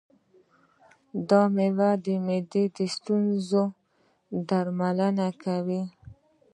دا مېوه د معدې د ستونزو درملنه کوي.